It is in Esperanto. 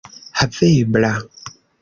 havebla